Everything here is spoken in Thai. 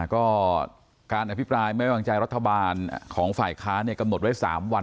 ก็การอภิปรายไม่วางใจรัฐบาลของฝ่ายค้านกำหนดไว้๓วัน